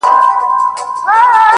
o مخته چي دښمن راسي تېره نه وي؛